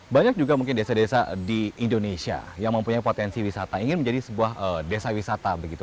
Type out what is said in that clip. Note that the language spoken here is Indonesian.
banyak juga mungkin desa desa di indonesia yang mempunyai potensi wisata ingin menjadi sebuah desa wisata begitu